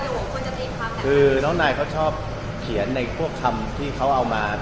บ๊วยบ๊วยคือน้องนายเขาชอบเขียนในพวกคำที่เขาเอามา